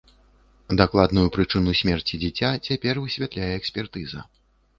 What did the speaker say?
Дакладную прычыну смерці дзіця цяпер высвятляе экспертыза.